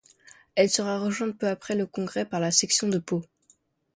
Elle sera rejointe peu après le Congrès par la section de Pau.